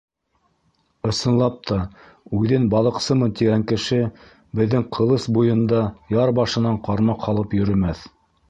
Ысынлап та, үҙен «балыҡсымын» тигән кеше беҙҙең Ҡылыс буйында яр башынан ҡармаҡ һалып йөрөмәҫ.